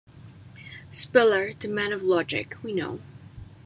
Spiller, the man of Logic, we know.